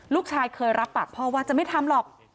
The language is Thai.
ลูกชายเคยรับปากพ่อว่าจะไม่ทำหรอก